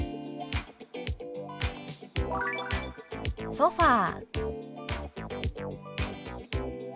「ソファー」。